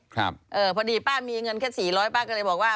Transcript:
ครับเออพอดีป้ามีเงินแค่๔๐๐ป้าก็เลยบอกว่า